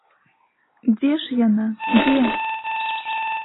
Дзе ж яна, дзе?